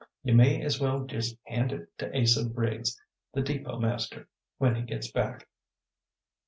You may as well just hand it to Asa Briggs, the depot master, when he gits back.